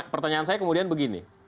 pertanyaan saya kemudian begini